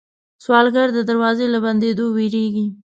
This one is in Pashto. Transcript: سوالګر د دروازې له بندېدو وېرېږي